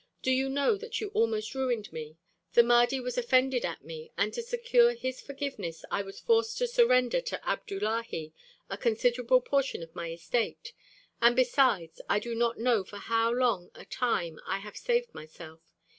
Do you know that you almost ruined me? The Mahdi was offended at me, and to secure his forgiveness I was forced to surrender to Abdullahi a considerable portion of my estate, and besides, I do not know for how long a time I have saved myself.